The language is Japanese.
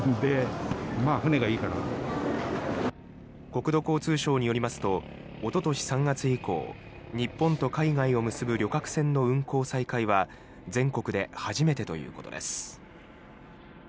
国土交通省によりますとおととし３月以降日本と海外を結ぶ旅客船の運航再開は全国で初めてということです。